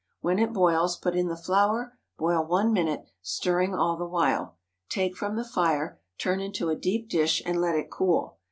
When it boils, put in the flour, boil one minute, stirring all the while; take from the fire, turn into a deep dish, and let it cool.